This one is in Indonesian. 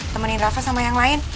temenin rafa sama yang lain